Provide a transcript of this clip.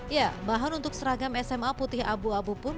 ya bahan untuk seragam sma putih abu abu pun